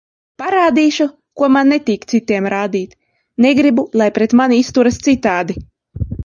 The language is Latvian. Parādīšu, ko man netīk citiem rādīt, negribu, lai pret mani izturas citādi.